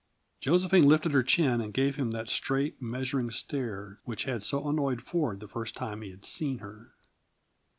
Josephine lifted her chin and gave him that straight, measuring stare which had so annoyed Ford the first time he had seen her.